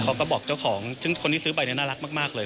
เขาบอกเจ้าของซึ่งคนที่ซื้อไปเนี่ยน่ารักมากเลย